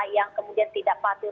yang kemudian tidak patuh